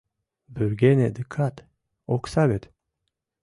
Вӱргене дыкат, окса вет.